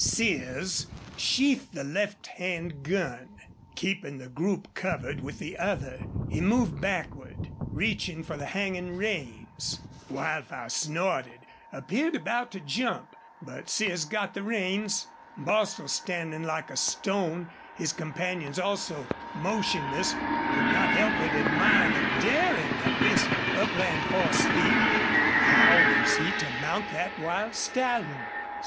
Sears sheathed the left hand gun. Keeping the group covered with the other, he moved backward, reaching for the hanging reins. Wildfire snorted, appeared about to jump. But Sears got the reins. Bostil, standing like a stone, his companions also motionless, could not help but admire the daring of this upland horse thief. How was he to mount that wild stallion?